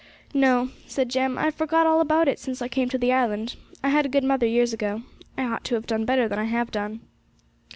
'No,' said Jem, 'I've forgot all about it since I came to the island. I had a good mother years ago; I ought to have done better than I have done.'